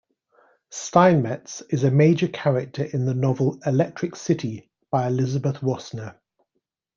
Steinmetz is a major character in the novel "Electric City" by Elizabeth Rosner.